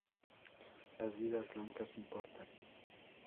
Las vidas blancas importan.